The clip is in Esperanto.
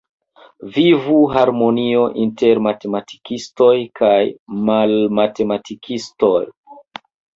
Vivu harmonio inter matematikistoj kaj malmatematikistoj!